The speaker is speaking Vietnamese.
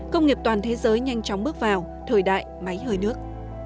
công nghiệp toàn thế giới nhanh chóng bước vào thời đại máy hơi nước